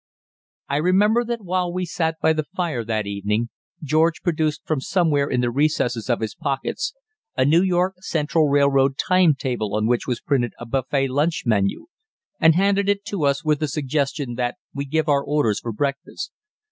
I remember that while we sat by the fire that evening George produced from somewhere in the recesses of his pockets a New York Central Railroad timetable on which was printed a buffet lunch menu, and handed it to us with the suggestion that we give our orders for breakfast.